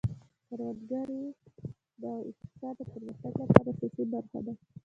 کروندګري د اقتصاد د پرمختګ لپاره اساسي برخه ده.